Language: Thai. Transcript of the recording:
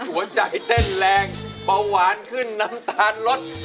หัวใจเต้นแรงเบาหวานขึ้นน้ำตาลลด